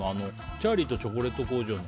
「チャーリーとチョコレート工場」の。